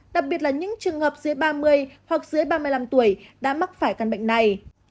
đặc biệt là những trường hợp dưới ba mươi hoặc dưới ba mươi năm tuổi đã mắc phải căn bệnh này